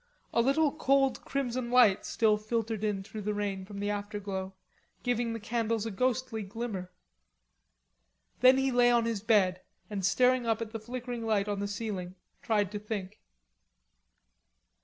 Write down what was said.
A little cold crimson light still filtered in through the rain from the afterglow, giving the candles a ghostly glimmer. Then he lay on his bed, and staring up at the flickering light on the ceiling, tried to think.